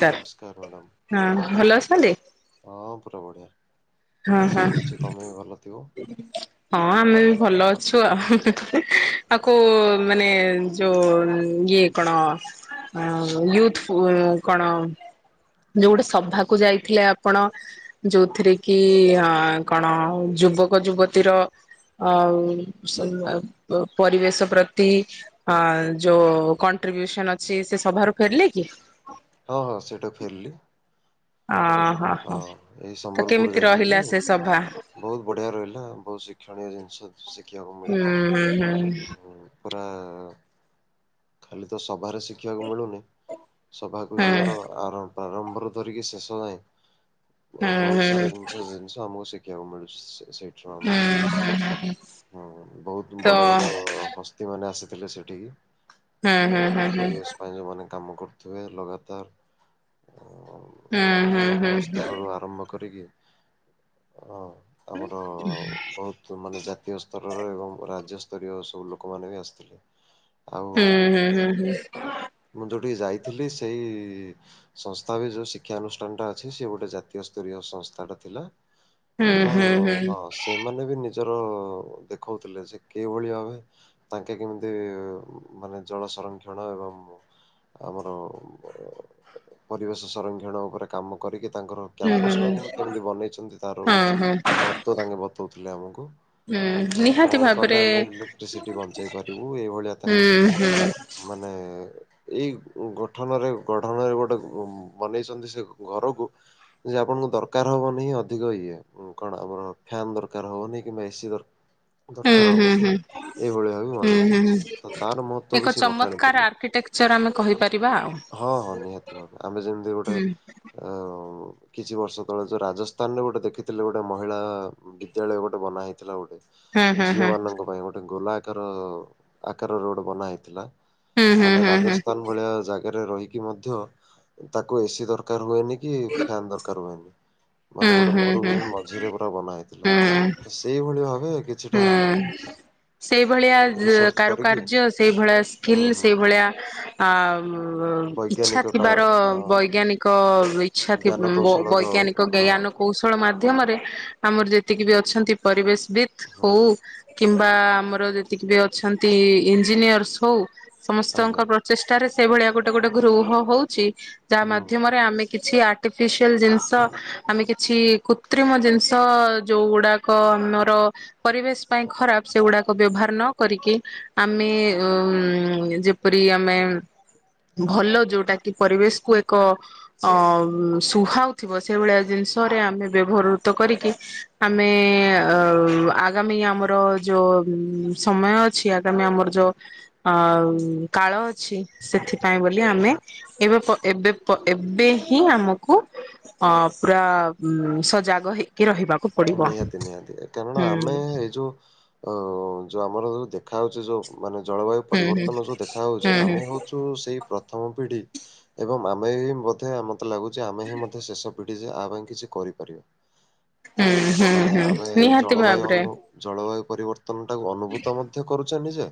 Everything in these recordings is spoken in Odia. ହଁ ନମସ୍କାର ମ୍ୟାଡ଼ାମ। ହଁ ଭଲ ଅଛନ୍ତି। ହଁ ପୁରା ବଢ଼ିଆ ହଁ ଆଶା ହଁ କରୁଛି ତମେ ବି ଭଲ ଥିବ? ହଁ ଆମେ ବି ଭଲ ଅଛୁ ଆଉ ଆ କୁ ମାନେ ଯଉ ଇଏ କଣ ୟୁଥ କଣ ଯୋଉ ଗୋଟେ ସଭାକୁ ଯାଇଥିଲେ ଆପଣ ଯୋଉଥିରେ କି ଅ କଣ ଯୁବକ ଯୁବତୀର ଆଉ ପରିବେଶ ପ୍ରତି ହଁ ଯୋଉ କଣ୍ଟ୍ରିବ୍ୟୁସନ ଅଛି ସେ ସଭାରୁ ଫେରିଲେ କି? ହଁ ହଁ ସେଇଟା ଫେରିଲି। ଓ ହଁ ହଁ ଏଇ ତ ସମ୍ବଲପୁର କେମିତି ଯାଇଥିଲି। ରହିଲା ସେ ସଭା? ବହୁତ ବଢ଼ିଆ ରହିଲା ବହୁତ ଶିକ୍ଷଣୀୟ ଜିନିଷ ଶିଖିବାକୁ ହୁଁ ମିଳିଲା। ହୁଁ ହୁଁ। ପୁରା ଖାଲି ତ ସଭାରେ ଶିଖିବାକୁ ମିଳୁନି ସଭାକୁ ହୁଁ ଯିବାର ହୁଁ ଆର ପ୍ରାରମ୍ବର ଧରିକି ଶେଷ ଯାଏ ବ ବହୁତ ହୁଁ ସାରା ଜିନିଷ ଆମକୁ ଶିଖିବାକୁ ମିଳୁଛି ସେ ସେଇ ଛୁଆ ଆମକୁ ହଁ ବହୁତ ତ ବଡ ବଡ ହଶ୍ ଅ ମାନେ ଆସିଥିଲେ ସେଇଠିକି? ହୁଁ ହୁଁ ହୁଁ ହୁଁ। ପାଇଁ ଯେଉଁମାନେ କାମ କରୁଥିବେ ଲଗାତାର ହୁଁ ହୁଁ ହୁଁ ହୁଁ ତୃଣମୂଳ ସ୍ତରରୁ ଆରମ୍ଭ କରିକି ହ ଆମର ବହୁତ୍ ମାନେ ଜାତୀୟ ସ୍ତରର ଏବଂ ରାଜ୍ୟ ସ୍ତରିୟ ସବୁ ଲୋକମାନେ ବି ଆସିଥିଲେ। ଆଉ ହୁଁ ହୁଁ ହୁଁ ହୁଁ। ମୁଁ ଯେଉଁଠିକି ଯାଇଥିଲି ସେଇ ସଂସ୍ଥା ବି ଯୋଉ ଶିକ୍ଷାାନୁଷ୍ଠାନଟା ଅଛି ସେ ଗୋଟେ ଜାତୀୟ ସ୍ତରୀୟ ସଂସ୍ଥାଟା ଥିଲା। ତ ହୁଁ ହଁ ହୁଁ ସେପ୍ ସେମାନେ ବି ନିଜର ଦେଖୋଉଥିଲେ ସେ କିଭଳିଆ ହୁଏ ତାଙ୍କେ କେମିତି ମାନେ ଜଳ ସଂରକ୍ଷଣ ଏବଂମୁଁ ଆମର ବ ଅ ପରିବେଶ ସଂରକ୍ଷଣ ଉପରେ କାମ କରିକି ତାଙ୍କର କ୍ୟାମ୍ପସ ଟାକୁ ବି କେମିତି ବନେଇଛନ୍ତି ହଁ ତାରବି ହଁ ମହତ୍ୱ ତାଙ୍କେ ବତଉଥିଲେ ଆମକୁ ଯା ନିହାତି କଣ କଲେ ଭାବରେ ଆମେ ଇଲେକ୍ଟ୍ରିସିଟି ବଞ୍ଚେଇ ପାରିବୁ ଏଇଭଳିଆ ତାଙ୍କେ ଶିଏ ଯୋଉ ମାନେ ଏଇ ଗଠନରେ ଗଢାହୁଏ ଗୋଟେ ବନେଇଛନ୍ତି ସେ ଘରକୁ ଯେ ଆପଣଙ୍କୁ ଦରକାର ହବନିଁ ଅଧିକ ଇଏ କଣ ଆମର ଫ୍ୟାନ ଦରକାର ହବନିଁ କିମ୍ବା ଏସି ଦର ଦରକାର ହବନି ଏଇଭଳିଆ ବି ବନେଇଥିଲେ ସେଏ। ତାର ମହତ୍ବ ଏକ ବି ସିଏ ଚମତ୍କାର ବଖାଣୁଥିଲେ। ଆର୍କିଟେକ୍ଚର ଆମେ କହିପାରିବା ଆଉ। ହଁ ହଁ ନିହାତି। ଆମେ ଯେମିତି ଗୋଟେ ହୁଁ ଅ ଅ କିଛି ବର୍ଷ ତଳେ ଯୋଉ ରାଜସ୍ଥାନରେ ଗୋଟେ ଦେଖିଥିଲି ଗୋଟେ ମହିଳା ବିଦ୍ୟାଳୟ ଗୋଟେ ବନା ହେଇଥିଲା ଗୋଟେ। ହୁଁ ଝିଅ ହୁଁ ମାନଙ୍କ ପାଇଁ ଗୋଟେ ଗୋଲା ଆକାର ଆକାରର ଗୋଟେ ବନା ହେଇଥିଲା ହୁଁ ମାନେ ହୁଁ ହୁଁ ରାଜସ୍ଥାନ ଭଳିଆ ଜାଗାରେ ରହିକି ମଧ୍ୟ ତାକୁ ଏସି ଦରକାର ହୁଏନି। କ ଫ୍ୟାନ ଦରକାର ହୁଏନି ହୁଁ ମାନେ ହୁଁ ଗୋଟେ ହୁଁ ହୁଁ ହୁଁ ମରୁଭୂମି ମଝିରେ ପୁରା ବନା ହେଇଥିଲା। ତ ସେଇଭଳିଆ ଭାବେ କିଛି ହୁଁ ସେଇଭଳିଆ ଯୋତ ରିସର୍ଚ୍ଚ କରିକି କାରୁକାର୍ଯ୍ୟ ସେଇଭଳିଆ ସ୍କିଲ୍ ହୁଁ ହୁଁ ସେଇ ହୁଁ ଭଳିଆ ଆ ଉ ଇଛା ବୈଜ୍ଞାନିକ କା ଥିବାର ହଁ ବୈଜ୍ଞାନିକ ଇଛା ଜ୍ଞାନ ଥିବ କୌଶଳର ବୈଜ୍ଞାନିକ ହଁ ଜ୍ଞାନକୁ କୌଶଳ ମାଧ୍ୟମରେ ଆମର ଯେତିକି ବି ଅଛନ୍ତି ପରିବେଶ ବିିତ ହୁଁ। ହଉ କିମ୍ବା ଆମର ଯେତିକିବି ଅଛନ୍ତି ଇଞ୍ଜିନିୟର୍ସ ହଉ ସମସ୍ତଙ୍କ ଆଜ୍ଞା ପ୍ର ଚେଷ୍ଟାରେ ସେଇଭଳିଆ ଗୋଟେ ଗୋଟେ ଗୃହ ହଉଛି ଯାହା ହୁଁ ମାଧ୍ୟମରେ ଆମେ କିଛି ଆର୍ଟିଫିସିଆଲ ଜିନିଷ ଆମେ କିଛି କୃତ୍ରିମ ଜିନିଷ ଯୋଉଗୁଡ଼ାକ କନର ପରିବେଶ ପାଇଁ ଖରାପ ସେଗୁଡାକ ବ୍ୟବହାର ନ କରିକି ଆମେ ଉ ଯେପରି ଆମେ ଭଲ ଯୋଉଟାକି ପରିବେଶକୁ ଏକ ଅ ସୁହାଉଥିବ ସେଇଭଳିଆ ଜିନିଷରେ ଆମେ ବ୍ୟବହୃତ କରିକି ଆମେ ଅ ଉ ଆଗାମୀ ଆମର ଯୋଉ ସମୟ ଅଛି ଆଗାମୀ ଆମର ଯୋଉ ଅ କାଳ ଅଛି ସେଥିପାଇଁ ବୋଲି ଆମେ ଏବେ ପ ଏବେ ପ ଏବେ ହିଁ ଆମକୁ ହଁ ପୁରା ହୁଁ ସଜାଗ ହେଇକି ରହିବାକୁ ପଡିବ। ନିହାତି ନିହାତି କାରଣ ହୁଁ ଆମେ ଏଇ ଯୋଉ ଅ ଯୋଉ ଆମର ଦେଖା ହଉଛି ଯୋଉ ମାନେ ଜଳବାୟୁ ହୁଁ ହୁଁ ପରିବର୍ତ୍ତନ ଯୋଉ ଦେଖା ହଉଛି ହୁଁ ଆମେ ହୁଁ ହଉ ଯୋଉ ସେ ପ୍ରଥମ ପିଢି ଏବଂ ଆମେ ହି ବୋଧେ ମତେ ଲାଗୁଛି ଆମେହିଁ ମଧ୍ୟ ଶେଷ ପିଡିଜି ଆରେଙ୍କ କିଛି କରିପାରିବା ହୁଁ ହୁଁ ମାନେ ହୁଁ ଆମେ ଏଇ ନିହାତି ଜଳବାୟୁୁ ଭାବରେ ଅନୁ ଜଳବାୟୁ ପରିବର୍ତ୍ତନ ଟାକୁ ଅନୁଭୂତ ମଧ୍ୟ କରୁ ଚନିଯା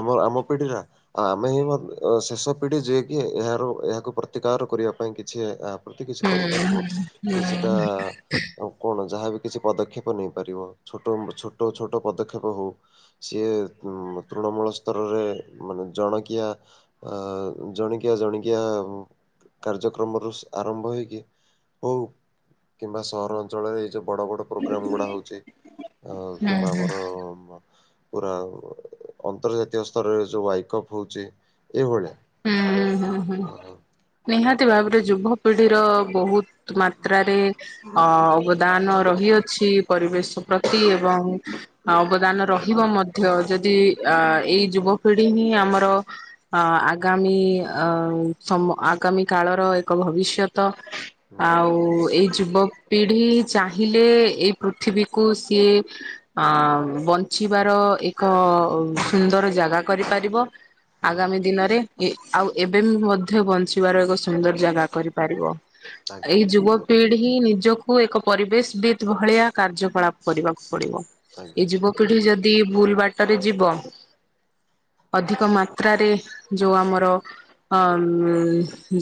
ଆମ ଆମ ପିଢିରା ଆମେ ହିଁ ମଧ୍ୟ ଶେଷ ପିଢି ଯିଏକି ଏହାର ଏହାକୁ ପ୍ରତିକାର କରିବା ପାଇଁ କିଛି ଆପ ପ୍ରତି କିଛି କରିପାରିବ କି ସେଟା ଆଉ କଣ? ଯାହା ବି କିଛି ପଦକ୍ଷେପ ନେଇପାରିବ ଛୋଟ ଛୋଟ ଛୋଟ ପଦକ୍ଷେପ ହଉ ସିଏ ଉଁ ତୃଣମୂଳ ସ୍ତରରେ ମାନେ ଜଣକିଆ ଅ ଜଣିକିଆ ଜଣିକିଆ କାର୍ଯ୍ୟକ୍ରମ ଆରମ୍ଭ ହେଇକି ହଉ କିମ୍ବା ସହର ଅଞ୍ଚଳରେ ଏଇ ଯଉ ବଡ ବଡ ପ୍ରୋଗ୍ରମ୍ ଗୁଡ଼ା ହଉଛି ଆ କିମ୍ବା ଆମର ପୁରା ଅନ୍ତର୍ଜାତୀୟ ସ୍ତରରେ ଯୋଉ ୱାଇଡ କପ୍ ହଉଛି ଏଇଭଳିଆ ହୁଁ ହୁଁ ହୁଁ ହୁଁ। ଅ ହ ନିହାତି ଭାବରେ ଯୁବପିଢିର ବହୁତ ମାତ୍ରାରେ ଅବ ଦାନ ରହିଅଛି ପରିବେଶ ପ୍ରତି ଏବଂ ଅବଦାନ ରହିବ ମଧ୍ୟ ଯଦି ଆ ଏଇ ଯୁବପିଢି ହିଁ ଆମର ଅ ଆଗାମୀ ଅ ସମ ଆଗାମୀ କାଳର ଏକ ଭବିଷ୍ୟତ ହୁଁ ଆଉ ଆଜ୍ଞା ଏଇ ଯୁବକପିଢି ଚାହିଁଲେ ଏଇ ପୃଥିବୀକୁ ସିଏ ଅ ବଞ୍ଚିବାର ଏକ ସୁନ୍ଦର ଜାଗା କରିପାରିବ। ଆଗାମୀ ହୁଁ ଦିନରେ। ଏ ଆଉ ଏବେ ବି ମଧ୍ୟ ବଞ୍ଚିବାର ଏକ ସୁନ୍ଦର ଜାଗା କରିପାରିବ। ଆଜ୍ଞା ଏଇ ଠିକ୍ କହୁଛନ୍ତି ଯୁବପିଢି ହିଁ ନିଜ କୁ ଏକ ପରିବେଶ ବିିତ ଭଳିଆ କାର୍ଯ୍ୟକଳାପ କରିବାକୁ ପଡିବ ଏ ଆଜ୍ଞା ଠିକ୍ ଯୁବପିଢି ଅଛି ଯଦି ଯଦି ଭୁଲ ବାଟରେ ଯିବ ଅଧିକ ମାତ୍ରାରେ ଯଉ ଆମର ଅ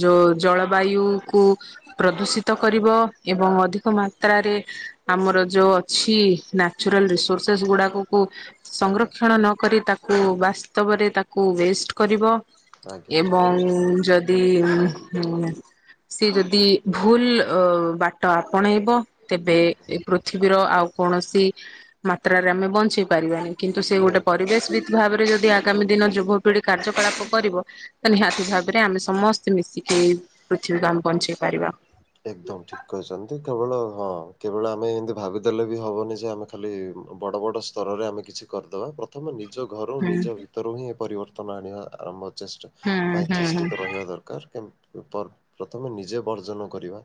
ଯୋଉ ଜଳବାୟୁ କୁ ପ୍ରଦୂଷିତ କରିବ ଏବଂ ଅଧିକ ମାତ୍ରାରେ ଆମର ଯୋଉ ଅଛି ନ୍ୟାଚୁରାଲ ରିସୋର୍ସେସ୍ ଗୁଡାକକୁ ଆଜ୍ଞା ସଂରକ୍ଷଣ ନକରି ତାକୁ ବାସ୍ତବରେ ତାକୁ ୱେଷ୍ଟ କରିବ। ଆଜ୍ଞା ଠିକ୍ ଏବଂ କହିଛନ୍ତି ଯ ଯଦି ସେ ଯଦି ଭୁଲ ବାଟ ଆପଣେଇବ ତେବେ ହୁଁ ଏ ହୁଁ ପୃଥିବୀର ଆଉ କୌଣସି ମାତ୍ରାରେ ଆମେ ବଞ୍ଚି ପାରିବାନି। କିନ୍ତୁ ସେ ଗୋଟେ ନିହାତି ପରିବେଶ ନିହାତି ବିତ ଭାବରେ ଯଦି ଆଗାମୀ ଦିନ ଯୁବପିଢ଼ି କାର୍ଯ୍ୟକଳାପ କରିବ ତ ନିହାତି ଭାବରେ ଆମେ ସମସ୍ତେ ମିଶିକି ପୃଥିବୀକୁ ଆମେ ବଞ୍ଚେଇ ପାରିବା। ଏକଦମ ଠିକ। କହିଛନ୍ତି କେବଳ ହଁ କେବଳ ଆମେ ଏନ୍ତି ଭାବିଦେଲେ ବି ହବନି ଯେ ଆମେ ଖାଲି ବଡ ବଡ ସ୍ତରରେ ଆମେ କିଛି କରିଦେବା। ତମେ ନିଜ ଘର ହୁଁ ନିଜ ଭିତରୁ ହିଁ ଏ ପରିବର୍ତ୍ତନ ଆଣିବା ଆରମ୍ଭ ଚେଷ୍ଟା ହୁଁ ପାଇଁ ହୁଁ ହୁଁ ଚେଷ୍ଟିତ ରହିବା ଦରକାର କେମ ପ୍ରଥମେ ନିଜେ ବର୍ଜନ କରିବା।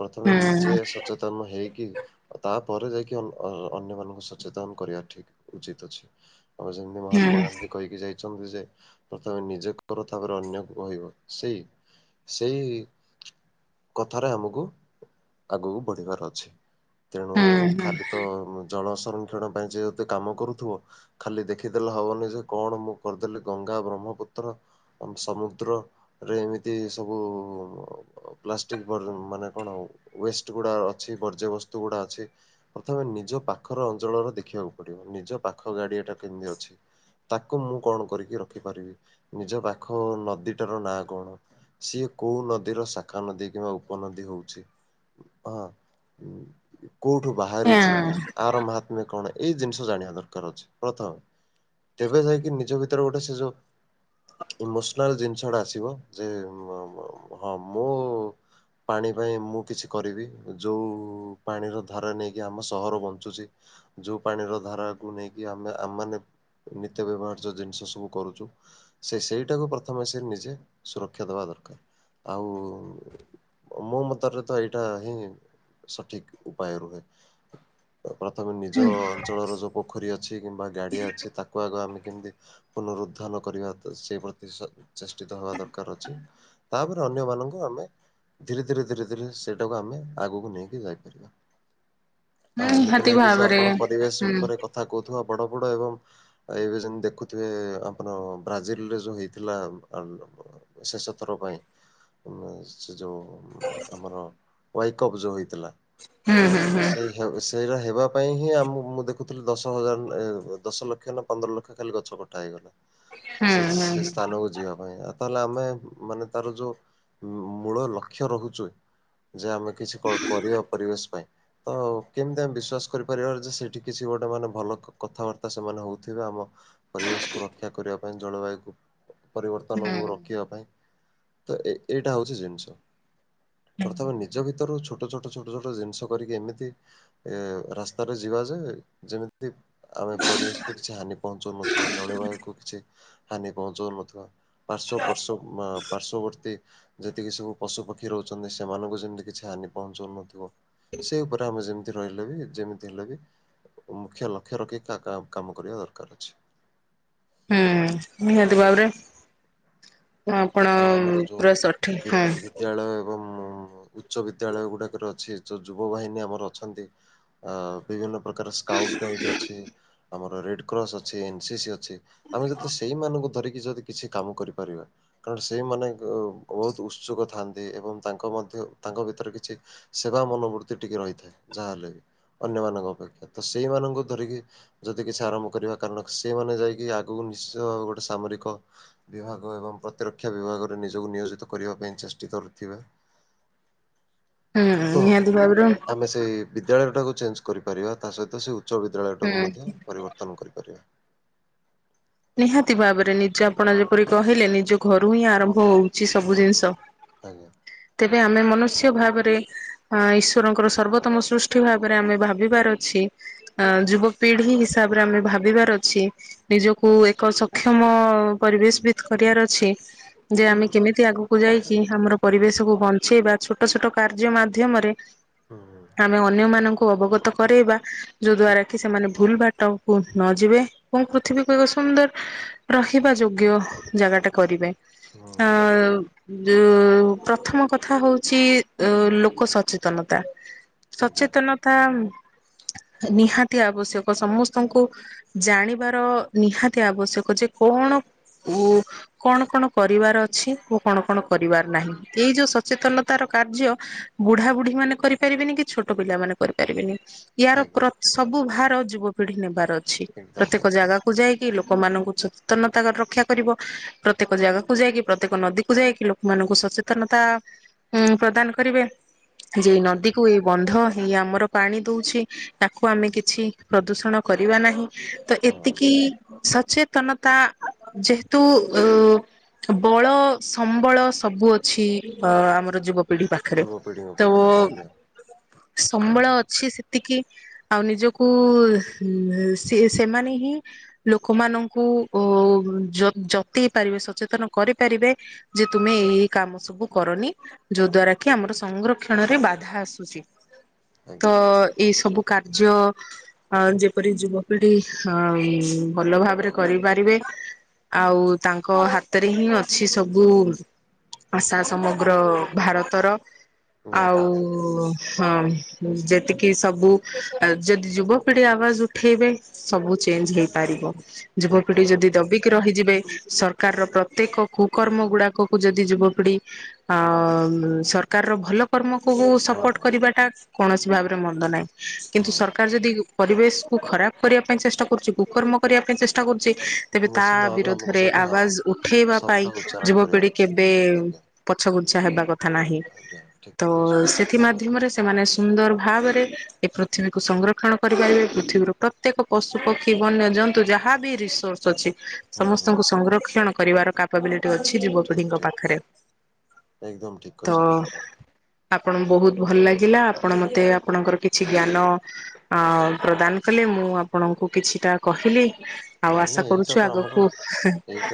ପ୍ରଥମେ ହୁଁ ନିଜେ ସଚେତନ ହେଇକି ତାପରେ ଯାଇକି ଅନ୍ୟମାନଙ୍କୁ ସଚେତନ କରିବା ଠିକ ଉଚିତ ଅଛି। ଅବଶ୍ୟ ଏମିତି ହୁଁ ମହାତ୍ମା ଗାନ୍ଧୀ କହି ଯାଇଛନ୍ତି ଯେ ପ୍ରଥମେ ନିଜକୁ କର ତାପରେ ଅନ୍ୟକୁ କହିବ ସେଇ ସେଇ କଥାରେ ଆମକୁ ଆଗକୁ ବଢିବାର ଅଛି ତେଣୁ ହୁଁ ହୁଁ ଖାଲି ତ ଜଳ ସଂରକ୍ଷଣ ପାଇଁ ଯେହେତେ କାମ କରୁଥିବ ଖାଲି ଦେଖିଦେଲେ ହବନି ଯେ କଣ ମୁଁ କରିଦେଲି ଗଙ୍ଗା ବ୍ରହ୍ମପୁତ୍ର ଆମ ସମୁଦ୍ରରେ ଏମିତି ସବୁ ପ୍ଲାସ ମାନେ କଣ ୱେଷ୍ଟ ଗୁଡ଼ା ଅଛି ବର୍ଜ୍ୟ ବସ୍ତୁ ଗୁଡ଼ା ଅଛି। ପ୍ରଥମେ ନିଜ ପାଖର ଅଞ୍ଚଳର ଦେଖିବାକୁ ପଡିବ ନିଜ ପାଖ ଗାଡିଆ ଟା କେମିତି ଅଛି। ତାକୁ ମୁଁ କଣ କରିକି ରଖିପାରିବି ନିଜ ପାଖ ନଦୀଟାର ନାଁ କଣ? ସିଏ କୋଉ ନଦୀର ଶାଖା ନଦୀ। କିମ୍ବା ଉପନଦୀ ହଉଛି ହଁ। କୋଉଠୁ ବାହାରିଛି ହଁ ଆର ମହାତ୍ମ୍ୟ କଣ ଏଇ ଜିନିଷ ଜାଣିବା ଦରକାର ଅଛି ପ୍ରଥମେ ତେବେ ଯାଇକି ନିଜ ଭିତରେ ଗୋଟେ ସେ ଯୋଉ ଇମୋସନାଲ ଜିନିଷଟା ଆସିବ ଯେ ମୁଁ ହଁ ମୁଁ ପାଣି ପାଇଁ ମୁଁ କିଛି କରିବି। ଯୋଉ ପାଣିର ଧାରା ନେଇକି ଆମ ସହର ବଞ୍ଚୁଚି। ଯୋଉ ପାଣିର ଧାରାକୁ ନେଇକି ଆମେ ଆମେ ମାନେ ନିତ୍ୟ ବ୍ୟବହାର୍ଯ୍ୟ ଜିନିଷ ସବୁ କରୁଚୁ। ସେ ସେଇଟାକୁ ପ୍ରଥମେ ସେ ନିଜେ ସୁରକ୍ଷା ଦବା ଦରକାର ଆଉ ମୋ ମତରେ ତ ଏଇଟା ହିଁ ସଠିକ୍ ଉପାୟ ରୁହେ। ପ୍ରଥମେ ନିଜ ଅଞ୍ଚଳର ଯୋଉପୋଖରୀ ଅଛି। କିମ୍ବା ଗାଡ଼ିଆ ଅଛି। ତାକୁ ଆଗ ଆମେ କେମିତି ପୁନରୁଦ୍ଧାନ କରିବା ସେ ପ୍ରତି ଚେଷ୍ଟିତ ହେବା ଦରକାର ଅଛି। ତାପରେ ଅନ୍ୟମାନଙ୍କୁ ଆମେ ଧୀରେ ଧୀରେ ଧୀରେ ସେଇଟାକୁ ଆମେ ଆଗକୁ ନେଇକି ଯାଇପାରିବା। ଆଉ ଏମିତି ନିହାତି ନାହିଁ କି ଯେ ଭାବରେ ଆପଣ ପରିବେଶ ହୁଁ ଉପରେ କଥା କହୁଥିବା ବଡ ବଡ ଏବଂ ଆଉ ଏବେ ଯେମିତି ଦେଖୁଥିବେ ଆପଣ ବ୍ରାଜିଲ ରେ ଯୋଉ ହେଇଥିଲା ଆଣୁରୋପଣ। ଶେଷଥର ପାଇଁ ସେ ଯୋଉ ଆମର ୱାଇ କପ୍ ଯୋଉ ହେଇଥିଲା ତ ସେଇ ସେଇରା ହେବା ପାଇଁ ହିଁ ଆମ ମୁଁ ଦେଖୁଥିଲି ଦଶ ହଜାର ଦଶ ଲକ୍ଷ ନା ପନ୍ଦର ଲକ୍ଷ ଖାଲି ଗଛ କ କଟା ହେଇଗଲା। ହୁଁ ସେ ସେ ହୁଁ ସ୍ଥାନକୁ ଯିବା ପାଇଁ ଆ ତାହେଲେ ଆମେ ମାନେ ତାର ଯୋଉ ମୂଳ ଲକ୍ଷ୍ୟ ରହୁଚି। ଯେ ଆମେ କିଛି କଣ କରିବା ପରିବେଶ ପାଇଁ? ତ କେମିତି ଆମେ ବିଶ୍ୱାସ କରିପାରିବାରେ ଯେ ସେଇଠି କିଛି ଗୋଟେ ମାନେ ଭଲ କଥାବାର୍ତ୍ତା ସେମାନେ ହଉଥିବେ ଆମ ପରିବେଶକୁ ରକ୍ଷା କରିବା ପାଇଁ ଜଳବାୟୁକୁ ପରିବର୍ତ୍ତନ ଓ ରୋକିବା ପାଇଁ ତ ଏ ଏଇଟା ହୋଉଚି ଜିନିଷ। ପ୍ରଥମେ ନିଜ ଭିତରୁ ଛୋଟ ଛୋଟ ଛୋଟ ଜିନିଷ କରିକି ଏମିତି ଏଁ ରାସ୍ତାରେ ଯିବା ଯେ ଯେମିତି ଆମେ ପରିବେଶକୁୁ କିଛି ହାନି ପହଞ୍ଚାଉନଥିବା ଜଳବାୟୁ କୁ କିଛି ହାନି ପହଞ୍ଚାଉନଥିବା। ପାର୍ଶ୍ଵ ପାର୍ଶ୍ଵ ପାର୍ଶ୍ଵବର୍ତ୍ତୀ ଯେତିକି ସବୁ ପଶୁପ। ରହୁଚନ୍ତି। ସେମାନଙ୍କୁ ଯେମିତି କିଛି ହାନି ପହଞ୍ଚାଉନଥିବ। ସେଇ ଉପରେ ଆମେ ଯେମି ରହିଲେ ବି ଯେମିତି ହେଲେ ବି ମୁଖ୍ୟ ଲକ୍ଷ୍ୟ ରଖି କା-କା କାମ କରିବା ଦରକାର ଅଛି। ହୁଁ ନିହାତି ଭାବରେ। ଆପଣ ଆଉ ଆମର ଯୋଉ ପୁରା ସଠିକ୍ ବି ହଁ ବିଦ୍ୟାଳୟ ଏବଂ ଉଚ୍ଚ ବିଦ୍ୟାଳୟ ଗୁଡ଼ାକରେ ଅଛି ଯୋଉ ଯୁବ ବାହିନୀ ଆମର ଅଛନ୍ତି ଆ ବିଭିନ୍ନ ପ୍ରକାର ସ୍କାଉଟ୍ ଗାଇଡ୍ ଅଛି। ଆମର ରେଡ କ୍ରସ୍ ଅଛି। ଏନ୍ସିି ସି ଅଛି। ଆମେ ଯଦି ସେଇମାନଙ୍କୁ ଧରିକି ଯଦି କିଛି କାମ କରିପାରିବା। କାରଣ ସେଇମାନେ ବହୁତ୍ ଉତ୍ସୁକ ଥାଆନ୍ତି ଏବଂ ତାଙ୍କ ମଧ୍ୟ ତାଙ୍କ ଭିତରେ କିଛି ସେବା ମନୋବୃତ୍ତି ଟିକିଏ ରହିଥାଏ। ଯାହା ହେଲେ ବି ଅନ୍ୟମାନଙ୍କ ଅପେକ୍ଷା। ତ ସେଇମାନଙ୍କୁ ଧରିକି ଯଦି କିଛି ଆରମ୍ଭ କରିବା କାରଣ ସେମାନେ ଯାଇକି ଆଗକୁ ନିଶ୍ଚିତ ଗୋଟେ ସାମରିକ ବିଭାଗ ଏବଂ ପ ପ୍ରତିରକ୍ଷା ବିଭାଗରେ ନିଜକୁ ନିୟୋଜିତ କରିବା ପାଇଁ ଚେଷ୍ଟିତ ହୋଇଥିବା। ହୁଁ ତ ନିହାତି ଭାବରେ ହୁଁ। ଆମେ ସେଇ ବିଦ୍ୟାଳୟ ଟାକୁ ଚେଞ୍ଜ କରିପାରିବା। ତା ସହିତ ସେ ଉଚ୍ଚ ବିଦ୍ୟାଳୟଟାକୁ ମଧ୍ୟ ପରିବର୍ତ୍ତନ କରିପାରିବା। ନିହାତି ଭାବରେ ନିଜେ ଆପଣ ଯେପରି କହିଲେ ନିଜ ଘରୁ ହିଁ ଆରମ୍ଭ ହୋଉ। ଅଛିସବୁ ହୁଁ ହୁଁ ଜିନିଷ। ଆଜ୍ଞା ତେବେ ଆମେ ମନୁଷ୍ୟ ଭାବରେ ହଁ ଈଶ୍ୱରଙ୍କର ସର୍ବୋତ୍ତମ ସୃଷ୍ଟି ଭାବରେ ଆମେ ଭାବିବାର ଅଛି। ଅ ଯୁବପିଢି ହିସାବରେ ଆମେ ଭାବିବାର ଅଛି। ନିଜ କୋଉ ଏକ ସକ୍ଷମ ପରିବେଶ ବିିତ୍ କରିବାର ଅଛି। ଯେ ଆମେ କେମିତି ଆଗ ଯାଇକି ଆମର ପରିବେଶକୁ ବଞ୍ଚେଇବା ଛୋଟ ଛୋଟ କାର୍ଯ୍ୟ ମାଧ୍ୟମରେ। ହୁଁ ହୁଁ। ଆମେ ଅନ୍ୟ ମାନଙ୍କୁ ଅବଗତ କରରୋଇବା ଯୋ ଠିକ୍ ଦ୍ଵାରା କି ସେମାନେ- ଭୁଲ ବାଟକୁ ନ ଯିବେ। କଣ ପୃଥିବୀ- ଏକ ସୁନ୍ଦର ରଖିବା ଯୋଗ୍ୟ ଜାଗା ଟା କରିବେ ଆ। ହୁଁ ଉ ପ୍ରଥମ କଥା ହଉଚି ଲୋକ ସଚେତନତା। ଆଜ୍ଞା ସଚେତନ। ତା ନିହାତି ଆବଶ୍ୟକ ସମସ୍ତଙ୍କୁ ଜାଣିବାର। ନିହାତି ଆବଶ୍ୟକ ଯେ କଣ ଉ କଣ କଣ? କରିବାର ଅଛି ଓ କଣ କଣ କରିବାର ନାହିଁ। ଏଇ ଯୋଉ ସଚେତନ- ତାର କାର୍ଯ୍ୟ ବୁଢା ବୁଢୀ ମାନେ କରିପାରିବେନି କି ଛୋଟ ପିଲା ମାନେ କରିପାରିବେନି। ଆଜ୍ଞା ଏହାର- ସବୁ ଭାର ଯୁବପିଢି ନେବାର ଅଛି ଏକଦମ୍ ପ୍ରତ୍ୟେକ ଏକଦମ୍ ଜାଗା। ଯାଇକି ଲୋକମାନଙ୍କୁ ସଚେତନତା ରକ୍ଷା କରିବ। ପ୍ରତ୍ୟେକ ଜାଗାକୁ ଯାଇକି ପ୍ରତ୍ୟେକ ନଦୀକୁୁ ଯାଇକି ଲୋକମାନଙ୍କୁ ସଚେତନତା- ହୁଁ ପ୍ରଦାନ କରିବେ। ଯେ ଏକ୍ଜାକ୍ଟ ନଦୀକୁ ଏଇ ବନ୍ଧ ଏଇ ଆମର ପାଣି ଦଉଛି ତାକୁ ଆମେ ହଁ କିଛି- ପ୍ରଦୂଷଣ କରିବା ନାହିଁ ତ ଏ- ହଁ ଏଇ ସଚେତନତା ଯେହେତୁ ଅ। ବଳ ସମ୍ବଳ ସବୁ ଅଛି ଅ ଆମର ଯୁବପିଢି। ପିଢି ପାଖରେ। ଯୁବପିଢ଼ିଙ୍କ ତ ପାଖରେ ଆଜ୍ଞା ହଁ ସମ୍ବଳ ଅଛି ସେତିକି। ଆଉ ନିଜକୁ ସେ ସେମାନେ ହିଁ- ଲୋକମାନଙ୍କୁ ଅ ଯ ଯତେଇ ପାରିବେ ସଚେତନ କରିପାରିବେ। ଯେ ତୁମେ ଏଇ କାମ ସବୁ କରନି ଯୋଉ ଦ୍ଵାରା କି ଆମର ସଂରକ୍ଷଣରେ ବାଧା ଆସୁଛି। ଠିକ। ତ ଆଜ୍ଞା ଏଇ ସବୁ କାର୍ଯ୍ୟ ଅ ଯେପରି ଯୁବପିଢି ଅ- ହୁଁ ଭଲ ଭାବରେ କରିପାରିବେ। ଆଉ ତାଙ୍କ ହାତରେ ହିଁ ଅଛି ସବୁ। ଆଶା ସମଗ୍ର ଭାରତର। ଆଉ ନିହାତି ନିହାତି ହଁ ଯେତିକି ସବୁ ଯଦି ଯୁବପିଢି ଆବାଜ ଉଠେଇବେ ସବୁ ଚେଞ୍ଜ ହେଇପାରିବ। ଯୁବପିଢି ଏକଦମ୍ ଯଦି ଏକଦମ୍ ଦବି କି ରହିଯିବେ ସରକାରର ପ୍ରତ୍ୟେକ କୁକର୍ମ ଗୁଡାକକୁ ଯଦି ଯୁବପିଢି- ଆ ସରକାରର ଭଲ କର୍ମକୁ ହଁ ସପୋର୍ଟ କରିବାଟା କୌଣସି ଭାବରେ ମନ୍ଦ ନାହିଁ। କିନ୍ତୁ ହଁ ସରକାର ଯଦି ପରିବେଶ କୁ ଖରାପ କରିବା ପାଇଁ ଚେଷ୍ଟା କରୁଛି- କୁକର୍ମ କରିବା ପାଇଁ ଚେଷ୍ଟା କରୁଛି ତେବେ ତା ନିଶ୍ଚିନ୍ତ ଭାବେ ଆମକୁ ବିରୋଧରେ ସେଠି ହଁ ଆବାଜ ଉଠେଇବା ପାଇଁ ଶବ୍ଦ ଉଚ୍ଚାରଣ ଯୁବପିଢି କରିବାର ଅଛି କେବେ ଆଜ୍ଞା ପଛଗୁଞ୍ଚା ହେବା କଥା ନାହିଁ। ଆଜ୍ଞା ଠିକ୍ ତ ସେ କହିଛନ୍ତି ଏଥି ଏକଦମ୍ ମାଧ୍ୟମରେ ସେମାନେ ସୁନ୍ଦର ଭାବରେ ଏ ପୃଥିବୀକୁୁ ସଂରକ୍ଷଣ କରିପାରିବେ ପୃଥିବୀରୁ ପ୍ରତ୍ୟେକ ପଶୁ ପକ୍ଷୀ ବନ୍ୟଜନ୍ତୁ ଯାହା ବି ରିସୋର୍ସ ଅଛି ହୁଁ ହୁଁ ସମସ୍ତଙ୍କୁ ସଂରକ୍ଷଣ କରିବାର କା କ୍ୟାପାବିଲିଟି ଅଛି ଠିକ୍ ଯୁବପିଢ଼ିଙ୍କ ଠିକ୍ ପାଖରେ। ଏକଦମ୍ ଠିକ୍ ତ କହିଛନ୍ତି ମ୍ୟାଡ଼ାମ୍ ଆପଣ ବହୁତ ଭଲ ଲାଗିଲା। ଆପଣ ମୋତେ ଆପଣଙ୍କର କିଛି ଜ୍ଞାନ ଅ ପ୍ରଦାନ କଲେ। ମୁଁ ଆପଣଙ୍କୁ କିଛିଟା କହିଲି। ଆଉ ନାଇଁ ନାଇଁ ଆଶା ଏଇଟା କରୁଛୁ ତ ଆମର ଆଗକୁ ଏଇ ତ